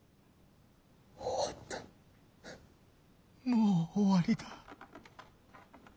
もう終わりだ。